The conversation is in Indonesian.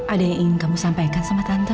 ada yang ingin kamu sampaikan sama tante